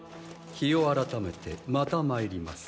日を改めてまた参ります。